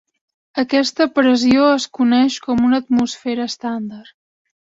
Aquesta pressió es coneix com una atmosfera estàndard.